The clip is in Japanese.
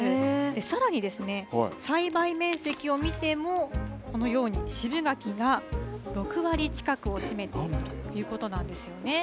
さらに栽培面積を見てもこのように渋柿が６割近くを占めているということなんですよね。